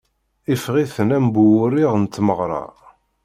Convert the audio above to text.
Iffeɣ-itent am bu wuṛiḍ n tmeɣṛa.